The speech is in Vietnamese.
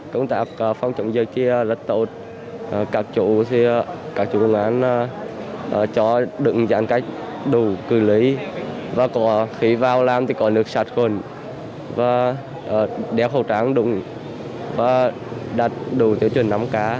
công tác phòng chống dịch thì rất tốt các chủ quân án cho đựng giãn cách đủ cư lý và khi vào làm thì có nước sạch khuẩn và đeo khẩu trang đúng và đặt đủ tiểu chuẩn nấm cá